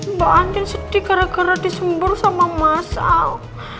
mbak andin sedih gara gara disembur sama mas al